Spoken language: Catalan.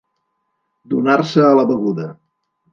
Donar-se a la beguda.